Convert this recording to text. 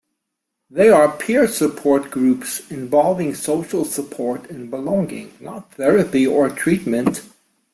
They are peer support groups, involving social support and belonging, not therapy or treatment.